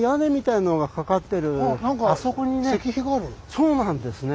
そうなんですね。